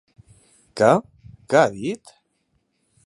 Què, què ha dit?